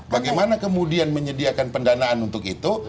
bagaimana kemudian menyediakan pendanaan untuk itu